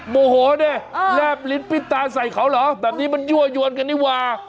โบโหเนี่ยเออแรบลิ้นปิดตาใสเขาเหรอแบบนี้มันยั่วยวนกันดิวา